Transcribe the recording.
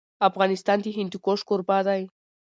افغانستان د هندوکش کوربه دی.